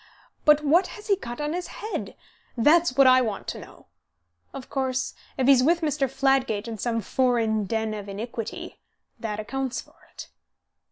But what has he got on his head? that's what I want to know. Of course, if he's with Mr. Fladgate in some foreign den of iniquity, that accounts for it."